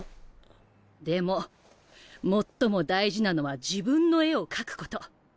でも最も大事なのは自分の絵を描くこと。